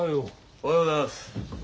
おはようございます。